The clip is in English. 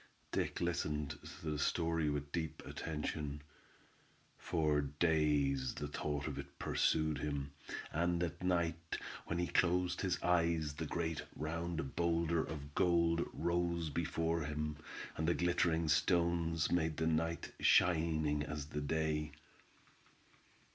Dick listened to the story with deep attention. For days the thought of it pursued him, and at night when he closed his eyes the great round boulder of gold rose before him, and the glittering stones made the night shining as the day.